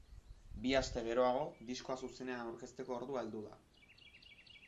Bi aste geroago, diskoa zuzenean aurkezteko ordua heldu da.